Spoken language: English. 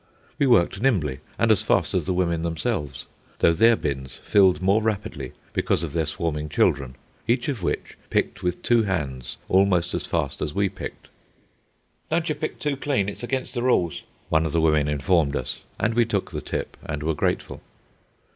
We worked nimbly, and as fast as the women themselves, though their bins filled more rapidly because of their swarming children, each of which picked with two hands almost as fast as we picked. "Don'tcher pick too clean, it's against the rules," one of the women informed us; and we took the tip and were grateful.